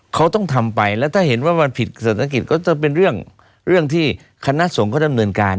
เขาต้องทำไปแล้วถ้าเห็นว่ามันผิดเศรษฐกิจก็จะเป็นเรื่องที่คณะสงฆ์เขาดำเนินการ